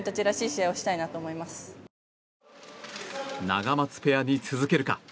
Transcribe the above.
ナガマツペアに続けるか？